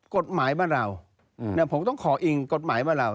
กฎหมายบ้านเราผมต้องขออิงกฎหมายบ้านเรา